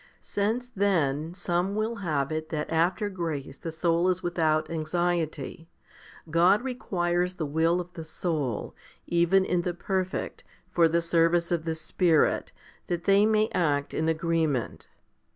8. Since then some will have it that after grace the soul is without anxiety, God requires the will of the soul, even in the perfect, for the service of the Spirit, that they may act in agreement.